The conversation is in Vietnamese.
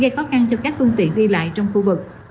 gây khó khăn cho các công ty ghi lại trong khu vực